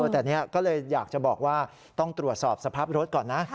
แต่นี่ก็เลยอยากจะบอกว่าต้องตรวจสอบสภาพรถก่อนนะ